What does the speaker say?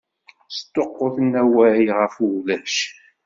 Sṭuqquten awal ɣef ulac!